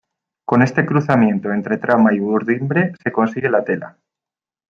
Con este cruzamiento entre trama y urdimbre se consigue la tela.